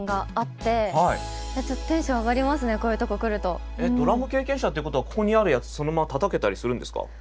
私えっ？ドラム経験者っていうことはここにあるやつそのままたたけたりするんですか？